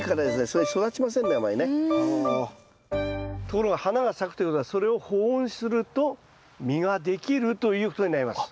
ところが花が咲くということはそれを保温すると実ができるということになります。